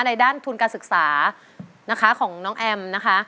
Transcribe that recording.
ในด้านทุนการศึกษานะคะของน้องแอมนะคะ